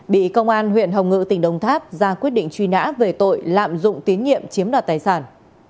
bị công an huyện hồng ngự tỉnh đồng tháp ra quyết định truy nã về tội lạm dụng tín nhiệm chiếm đoạt tài sản